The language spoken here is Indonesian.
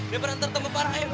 biar nanti tertemu parah ayo